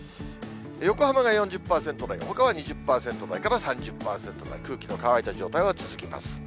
横浜が４０％台、ほかは２０％台から３０％台、空気の乾いた状態は続きます。